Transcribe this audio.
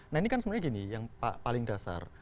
nah ini kan sebenarnya gini yang paling dasar